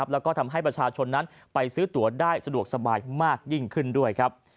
แล้วก็ทำให้ประชาชนนั้นไปซื้อตัวได้สะดวกสบายมากยิ่งขึ้นด้วยครับ